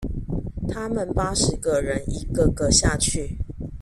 他們八十個人一個個下去